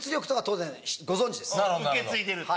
受け継いでる。